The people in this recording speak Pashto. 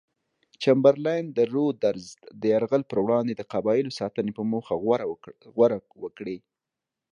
چمبرلاین د رودز د یرغل پر وړاندې د قبایلو ساتنې په موخه غور وکړي.